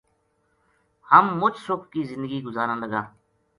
ہم مُچ سُکھ کی زندگی گزاراں لگا